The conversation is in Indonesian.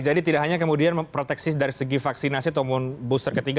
jadi tidak hanya kemudian proteksi dari segi vaksinasi tombol booster ketiga